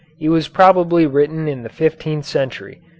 It was probably written in the fifteenth century.